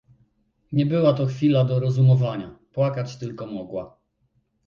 "Nie była to chwila do rozumowania, płakać tylko mogła."